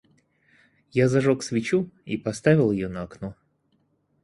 Я зажёг свечу и поставил ее на окно.